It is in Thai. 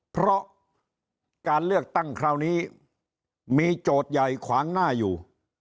เพราะการเลือกตั้งคราวนี้มีโจทย์ใหญ่ขวางหน้าอยู่